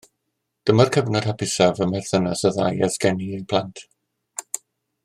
Dyma'r cyfnod hapusaf ym mherthynas y ddau ers geni eu plant